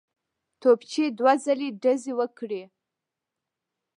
توپچي دوه ځلي ډزې وکړې.